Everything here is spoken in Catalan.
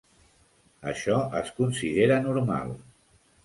Això es considera normal.